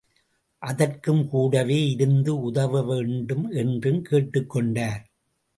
அதற்கும் கூடவே இருந்து உதவ வேண்டும் என்றும் கேட்டுக் கொண்டார்.